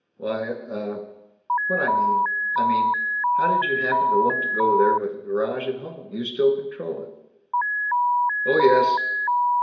"Why, uh " "What I mean I mean, how did you happen to want to go there, with a garage at home? You still control it?" "Oh yes.